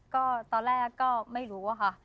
ก็ตอนแรกก็ไม่รู้อะค่ะ